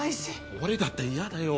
俺だってやだよ！